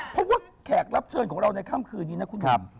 เพราะว่าแขกรับเชิญของเราในค่ำคืนนี้นะคุณหนุ่ม